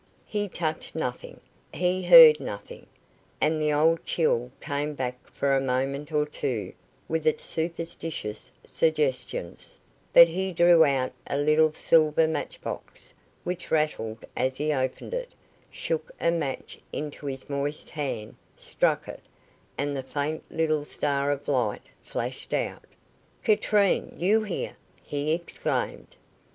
He touched nothing, he heard nothing, and the old chill came back for a moment or two with its superstitious suggestions; but he drew out a little silver match box, which rattled as he opened it, shook a match into his moist hand, struck it, and the faint little star of light flashed out. "Katrine, you here?" he exclaimed.